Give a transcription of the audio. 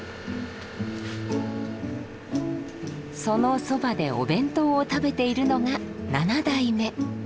そのそばでお弁当を食べているのが七代目。